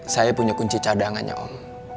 saya punya kunci cadangannya om